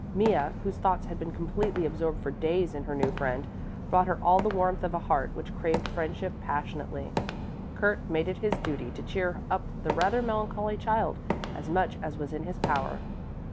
Mea, whose thoughts had been completely absorbed for days in her new friend, brought her all the warmth of a heart which craved friendship passionately. Kurt had made it his duty to cheer up the rather melancholy child as much as was in his power.